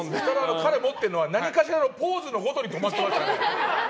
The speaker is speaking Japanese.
彼が持ってるのは何かしらのポーズをするごとに止まってましたね。